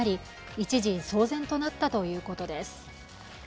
一時騒然となったということです。